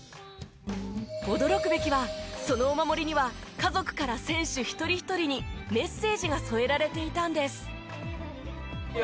驚くべきはそのお守りには家族から選手一人一人にメッセージが添えられていたんです。